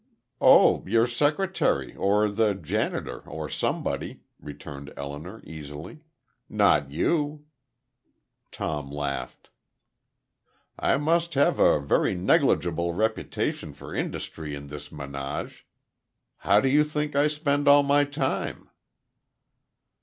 "Oh, your secretary, or the janitor, or somebody," returned Elinor, easily. "Not you." Tom laughed. "I must have a very negligible reputation for industry in this menage. How do you think I spend all my time?"